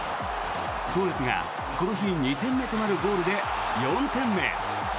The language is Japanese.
トーレスがこの日２点目となるゴールで４点目。